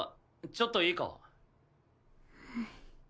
ちょっといいか？